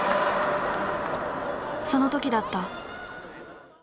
その時だった。